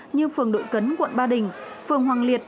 như phường đội cấn quận ba đình phường hoàng liệt